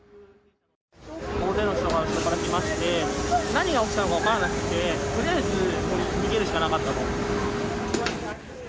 大勢の人が後ろから来まして、何が起きたのかが分からなくて、とりあえずもう逃げるしかなかったと。